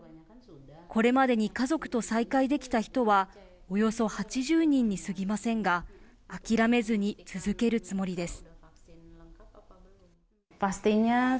これまでに家族と再会できた人はおよそ８０人にすぎませんが諦めずに続けるつもりです。